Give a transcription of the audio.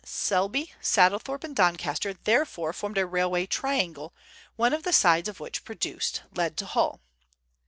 Selby, Staddlethorpe, and Doncaster therefore formed a railway triangle, one of the sides of which, produced, led to Hull.